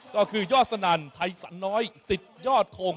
ก็คือยอดสนั่นไทยสันน้อยสิทธิ์ยอดทง